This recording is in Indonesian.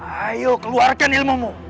ayo keluarkan ilmumu